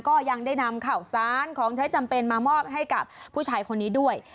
ก็ยังได้นำข่าวสารของใช้จำเป็นมามอบให้กับผู้ชายคนนี้ด้วย